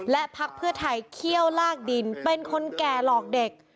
และพักเพื่อไทยเขี้ยวลากดินเป็นคนแก่หลอกเด็ก